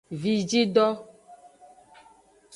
Vijido.